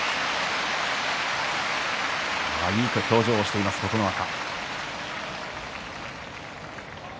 いい表情しています琴ノ若。